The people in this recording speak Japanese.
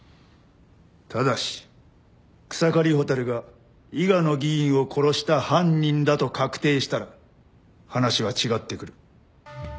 ただし草刈蛍が伊賀の議員を殺した犯人だと確定したら話は違ってくる。